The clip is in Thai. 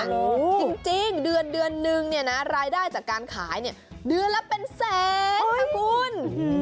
จริงเดือนเดือนนึงเนี่ยนะรายได้จากการขายเนี่ยเดือนละเป็นแสนค่ะคุณ